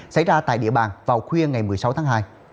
xảy ra tại địa bàn vào khuya ngày một mươi sáu tháng hai